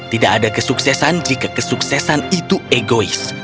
tidak ada kesuksesan jika kesuksesan itu egois